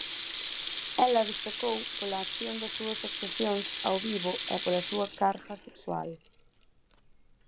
Ela destacou pola acción das súas actuacións ao vivo e pola súa carga sexual.